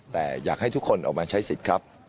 แต่อยากให้ทุกคนออกมาใช้สิทธิ์ครับ